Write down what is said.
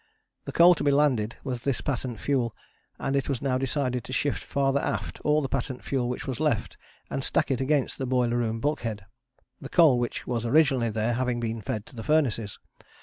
The coal to be landed was this patent fuel, and it was now decided to shift farther aft all the patent fuel which was left, and stack it against the boiler room bulkhead, the coal which was originally there having been fed to the furnaces.